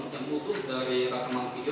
yang utuh dari rekaman video